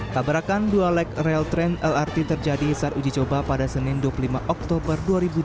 tabrakan dual leg rail train lrt terjadi saat uji coba pada senin dua puluh lima oktober dua ribu dua puluh satu